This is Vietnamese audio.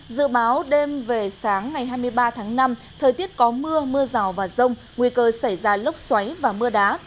dự báo đêm về sáng ngày hai mươi ba tháng năm thời tiết có mưa mưa rào và rông nguy cơ xảy ra lốc xoáy và mưa đá